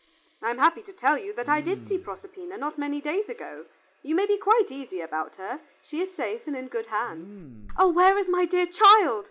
I am happy to tell you that I did see Proserpina not many days ago. You may be quite easy about her. She is safe and in good hands." "Oh, where is my dear child?"